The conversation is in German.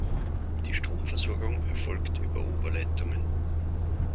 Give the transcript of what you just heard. Die Stromversorgung erfolgt über Oberleitungen.